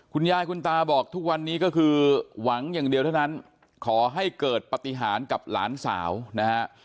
คุณยายคุณตาบอกทุกวันนี้ก็คือหวังอย่างเดียวเท่านั้นขอให้เกิดปฏิหารกับหลานสาวนะฮะ